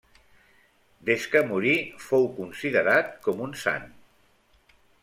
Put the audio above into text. Des que morí fou considerat com un sant.